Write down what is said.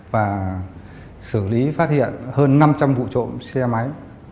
và xử lý phát hiện hơn năm trăm linh vụ trộm xe máy